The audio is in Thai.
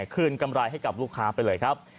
กำไรให้กับลูกค้าไปเลยครับ